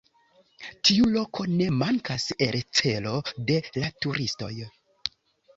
Tiu loko ne mankas el celo de la turistoj.